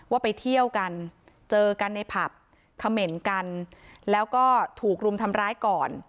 ว่าไปเที่ยวกันเจอกันในผับเขม่นกันแล้วก็ถูกรุมทำร้ายก่อน